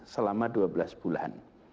selama dua belas bulan